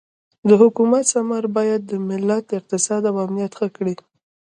د حکومت ثمر باید د ملت اقتصاد او امنیت ښه کړي.